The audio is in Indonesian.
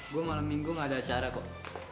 gue malam minggu gak ada acara kok